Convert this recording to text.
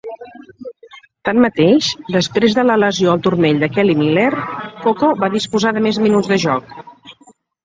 Tanmateix, després de la lesió al turmell de Kelly Miller, Coco va disposar de més minuts de joc.